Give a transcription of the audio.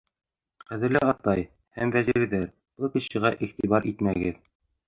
— Ҡәҙерле атай һәм вәзирҙәр, был кешегә иғтибар итмәгеҙ.